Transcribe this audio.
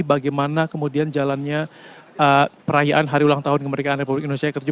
bagaimana kemudian jalannya perayaan hari ulang tahun kemerdekaan republik indonesia yang ke tujuh puluh